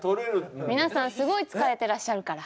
皆さんすごい疲れてらっしゃるから。